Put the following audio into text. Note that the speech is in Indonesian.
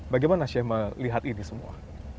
bagaimana syema lihat ini semua